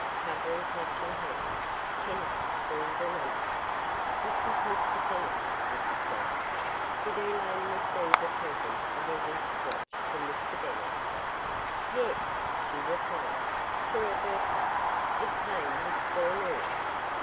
Covering Clutching Hand, Kennedy called a number. "This is Mr. Kennedy, Mrs. Dodge. Did Elaine receive a present of a wrist watch from Mr. Bennett?" "Yes," she replied, "for her birthday. It came this forenoon."